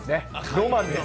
ロマンです。